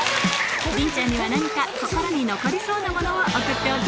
りんちゃんには何か心に残りそうなものを送っておきます